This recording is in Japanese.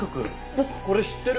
僕これ知ってる。